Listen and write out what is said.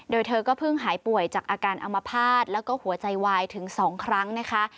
โดยเธอก็เพิ่งหายป่วยจากอาการอมภาษณ์แล้วก็หัวใจวายถึง๒ครั้งนะคะ